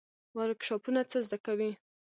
ورکشاپونه څه زده کوي؟